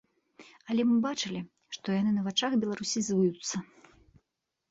Але мы бачылі, што яны на вачах беларусізуюцца.